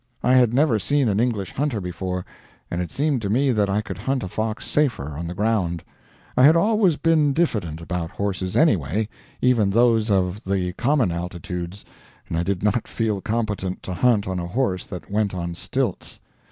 I had never seen an English hunter before, and it seemed to me that I could hunt a fox safer on the ground. I had always been diffident about horses, anyway, even those of the common altitudes, and I did not feel competent to hunt on a horse that went on stilts.